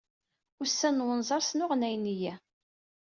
Ussan n unẓar sneɣnayen-iyi.